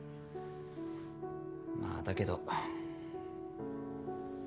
まあだけど。